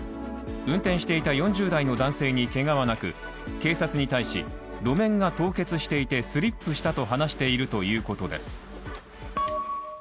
運転していた４０代の男性にけがはなく、警察に対し、路面が凍結していてスリップしたと話しているということです。